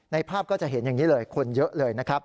ในภาพก็จะเห็นอย่างนี้เลยคนเยอะเลย